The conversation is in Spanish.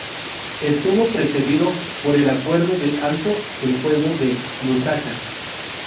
Estuvo precedido por el Acuerdo de Alto el Fuego de Lusaka.